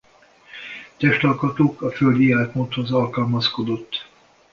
Testalkatuk a földi életmódhoz alkalmazkodott.